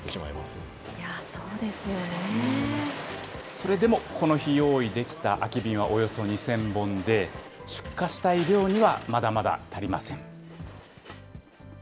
それでもこの日、用意できた空き瓶はおよそ２０００本で、出荷したい量にはまだまだ足りません。